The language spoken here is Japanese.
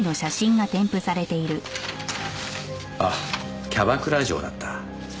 あっキャバクラ嬢だった。